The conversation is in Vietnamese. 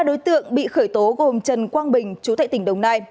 ba đối tượng bị khởi tố gồm trần quang bình chú tại tỉnh đồng nai